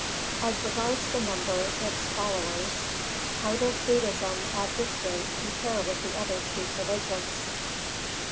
_As regards the number its followers, how does Buddhism at this date compare with the other chief religions?